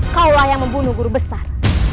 kaulah yang membunuh guru besar